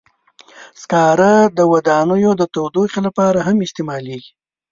سکاره د ودانیو د تودوخې لپاره هم استعمالېږي.